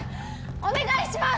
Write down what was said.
お願いします！